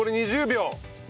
２０秒？